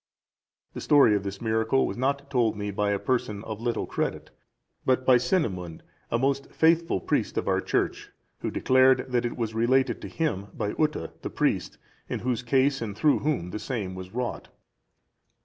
The story of this miracle was not told me by a person of little credit, but by Cynimund, a most faithful priest of our church,(367) who declared that it was related to him by Utta, the priest, in whose case and through whom the same was wrought.